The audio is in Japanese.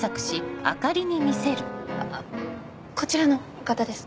あっこちらのお方です。